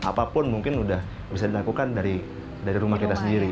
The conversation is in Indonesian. apapun mungkin sudah bisa dilakukan dari rumah kita sendiri